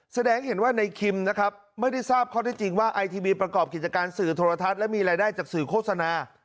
แสดงเห็นว่าในคิมนะครับไม่ได้ทราบข้อได้จริงว่าไอทีวีประกอบกิจการสื่อโทรทัศน์และมีรายได้จากสื่อโฆษณา